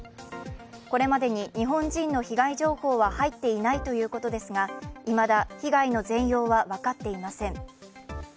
これまでに日本人の被害情報は入っていないということですがいまだ被害の全容は分かっていません。